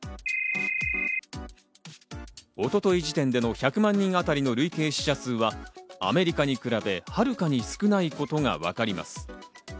一昨日時点での１００万人あたりの累計死者数はアメリカに比べ、はるかに少ないことがわかります。